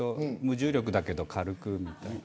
無重力だけど軽くみたいな。